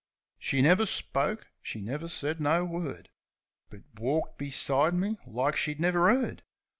She never spoke; she never said no word; But walked beside me like she never 'eard.